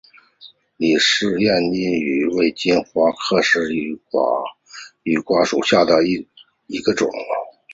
东氏艳拟守瓜为金花虫科艳拟守瓜属下的一个种。